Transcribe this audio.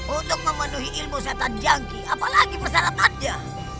untuk memenuhi ilmu setan jangki apalagi persyaratannya